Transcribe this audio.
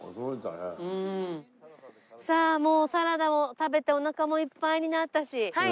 さあもうサラダを食べておなかもいっぱいになったし。